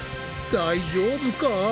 大丈夫か？